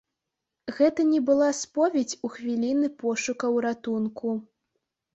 Гэта не была споведзь у хвіліны пошукаў ратунку.